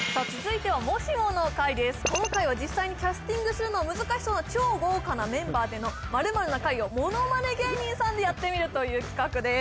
この会は実際にキャスティングするのが難しそうな超豪華なメンバーでの「○○の会」をモノマネ芸人さんでやってみるという企画です